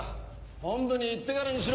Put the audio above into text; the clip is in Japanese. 本部に行ってからにしろ。